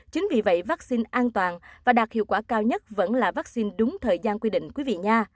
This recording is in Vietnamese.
chính vì vậy vắc xin an toàn và đạt hiệu quả cao nhất vẫn là vắc xin đúng thời gian quy định